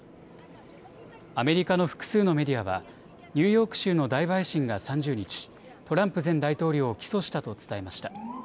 アメリカの複数のメディアはニューヨーク州の大陪審が３０日、トランプ前大統領を起訴したと伝えました。